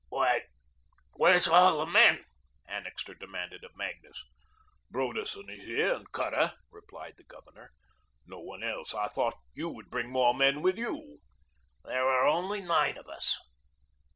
"Why, where's all the men?" Annixter demanded of Magnus. "Broderson is here and Cutter," replied the Governor, "no one else. I thought YOU would bring more men with you." "There are only nine of us."